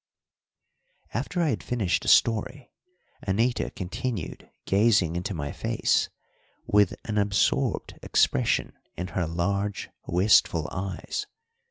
After I had finished the story Anita continued gazing into my face with an absorbed expression in her large, wistful eyes.